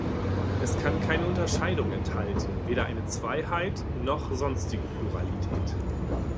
Es kann keine Unterscheidung enthalten, weder eine Zweiheit noch sonstige Pluralität.